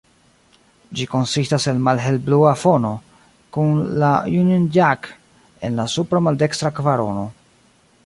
Ĝi konsistas el malhelblua fono, kun la Union Jack en la supra maldekstra kvarono.